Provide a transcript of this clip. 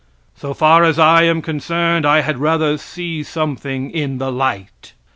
So far as I am concerned I had rather see something in the light.